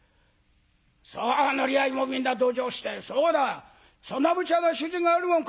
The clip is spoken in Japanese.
さあ乗り合いもみんな同情して「そうだそんなむちゃな主人があるもんか！」。